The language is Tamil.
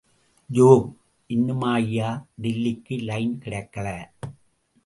யோவ்... இன்னுமாய்யா... டில்லிக்கு லைன் கிடைக்கல?